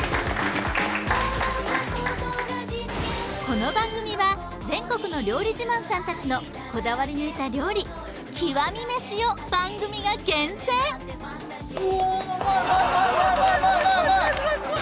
この番組は全国の料理自慢さんたちのこだわり抜いた料理極み飯を番組が厳選おうまいうまいうまい！